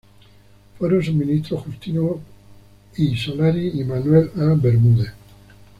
Fueron sus ministros Justino I. Solari y Manuel A. Bermúdez.